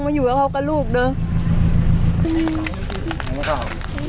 พ่อพี่ข่าวแล้วเขาคิดเรื่องอะไร